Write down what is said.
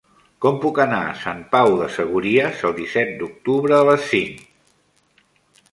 Com puc anar a Sant Pau de Segúries el disset d'octubre a les cinc?